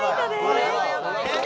これはやばい。